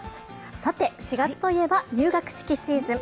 さて、４月といえば入学式シーズン。